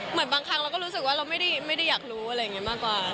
บางครั้งเราก็รู้สึกว่าเราไม่ได้อยากรู้อะไรอย่างนี้มากกว่า